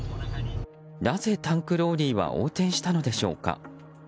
なぜタンクローリーは横転したのでしょうか。